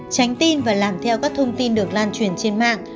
tránh tin và làm theo các thông tin được lan truyền trên mạng